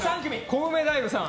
コウメ太夫さん！